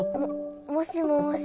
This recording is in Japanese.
もしもし。